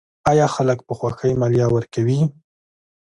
آیا خلک په خوښۍ مالیه ورکوي؟